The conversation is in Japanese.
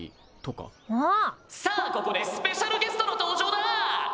「さあここでスペシャルゲストの登場だ！」。